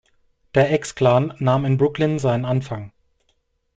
Der X-Clan nahm in Brooklyn seinen Anfang.